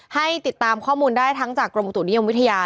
ให้ติดตามข้อมูลได้ทั้งจากกรมอุตุนิยมวิทยา